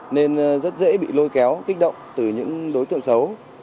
nên rất dễ bị lôi kéo kích động từ những đối tượng xấu